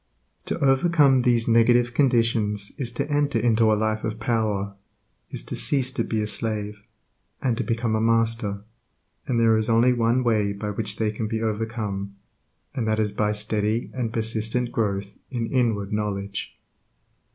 To overcome these negative conditions is to enter into a life of power, is to cease to be a slave, and to become a master, and there is only one way by which they can be overcome, and that is by steady and persistent growth in inward knowledge.